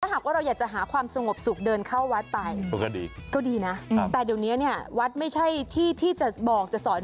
หากว่าเราอยากจะหาความสงบสุขเดินเข้าวัดไปก็ดีนะแต่เดี๋ยวนี้เนี่ยวัดไม่ใช่ที่ที่จะบอกจะสอน